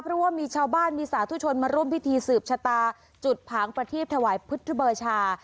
เพราะว่ามีชาวบ้านมีสาธุชนมาร่วมพิธีสืบชะตาจุดผางประทีปถวายพุทธเบอร์ชา